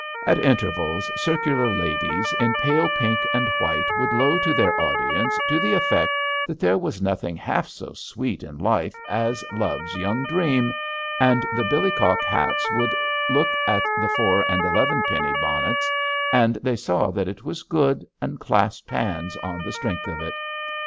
At intervals circular ladies in pale pink and white would low to their audience to the MY GREAT AND ONLY 265 effect that there was nothing half so sweet in life as Love's Young Dream/' and the billy cock hats would look at the four and elevenpenny bonnets, and thej saw that it was good and clasped hands on the strength of it.